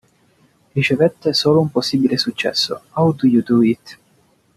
Ricevette solo un possibile successo, "How Do You Do It?